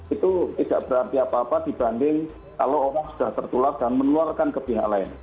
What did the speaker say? itu tidak berarti apa apa dibanding kalau orang sudah tertular dan menularkan ke pihak lain